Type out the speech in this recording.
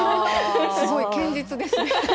すごい堅実ですね。